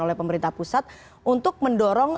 oleh pemerintah pusat untuk mendorong